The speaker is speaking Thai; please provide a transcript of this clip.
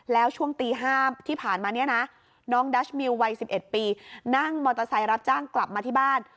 แล้วช่วงตี๕ที่ผ่านมาเนี่ยนะน้องดัชมิววัย๑๑ปีนั่งมอเตอร์ไซค์รับจ้างกลับมาที่บ้าน